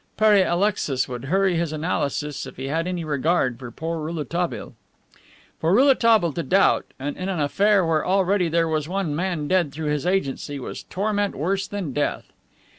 Pere Alexis would hurry his analysis if he had any regard for poor Rouletabille. For Rouletabille to doubt, and in an affair where already there was one man dead through his agency, was torment worse than death.